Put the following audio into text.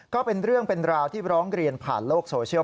ก็เป็นเรื่องเป็นราวที่ร้องเรียนผ่านโลกโซเชียล